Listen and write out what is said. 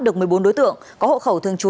được một mươi bốn đối tượng có hộ khẩu thường trú